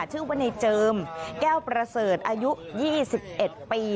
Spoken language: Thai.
ชื่อว่าในเจิมแก้วประเสริฐอายุ๒๑ปี